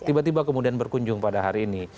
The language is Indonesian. tiba tiba kemudian berkunjung pada hari ini